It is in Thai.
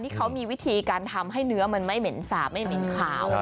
เขามีวิธีการทำให้เนื้อมันไม่เหม็นสาบไม่เหม็นขาว